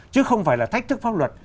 chứ không phải là thách thức pháp luật